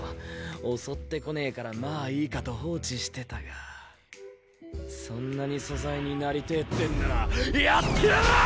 襲ってこねぇからまあいいかと放置してたがそんなに素材になりてぇってんならやってやらぁ！